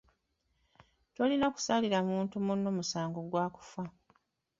Tolina kusalira muntu munno musango gwa kufa.